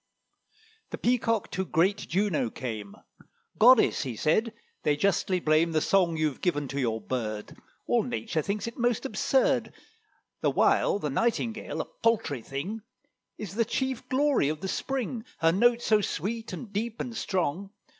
The Peacock to great Juno came: "Goddess," he said, "they justly blame The song you've given to your bird: All nature thinks it most absurd, The while the Nightingale, a paltry thing, Is the chief glory of the spring: Her note so sweet, and deep, and strong."